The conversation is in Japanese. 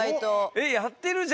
えっやってるじゃん。